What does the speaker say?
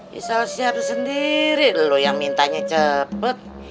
bisa siap sendiri lu yang mintanya cepet